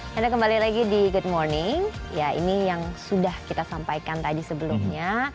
anda kembali lagi di good morning ya ini yang sudah kita sampaikan tadi sebelumnya